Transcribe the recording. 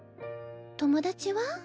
友達は？